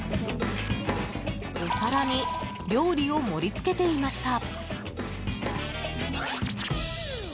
お皿に料理を盛り付けていました。